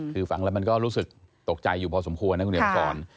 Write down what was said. คือฟังแล้วมันก็รู้สึกตกใจอยู่พอสมควรนะคุณเดี๋ยวมาสอน